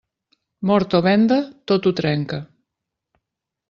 Mort o venda, tot ho trenca.